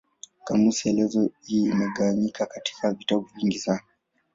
Kamusi elezo hii imegawanyika katika vitabu vingi sana.